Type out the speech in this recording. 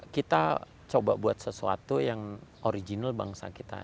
kita coba buat sesuatu yang original bangsa kita